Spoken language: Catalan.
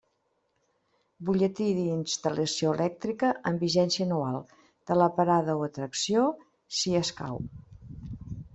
Butlletí d'instal·lació elèctrica, amb vigència anual, de la parada o atracció, si escau.